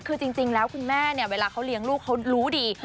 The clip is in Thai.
คือจริงแล้วคุณแม่เนี่ยเวลาเขาเลี้ยงลูกเขารู้ดี